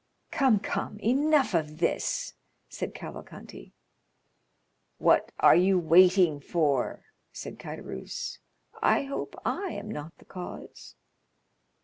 "Come, come; enough of this," said Cavalcanti. "What are you waiting for?" said Caderousse. "I hope I am not the cause."